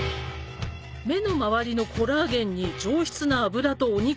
目の周りのコラーゲンに上質な脂とお肉